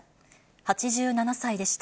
８７歳でした。